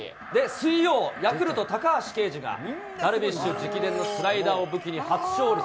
水曜、ヤクルト、高橋奎二がダルビッシュ直伝のスライダーを武器に初勝利。